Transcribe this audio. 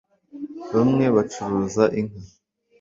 bamwe bacuruza inka